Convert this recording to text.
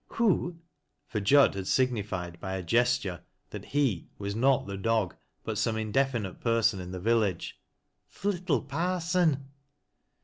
" Who ?" for Jud had signified by a gesture that lu was not the dog, but some indefinite person in the villaga "Th' little Parson."